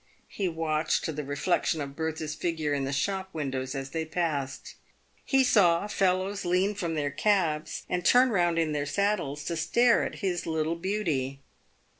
He watched the reflexion of Bertha's figure in the shop windows as they passed. He saw fellows lean from their cabs, and turn round in their saddles to stare at his little beauty.